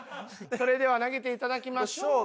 「それでは投げていただきましょう」で。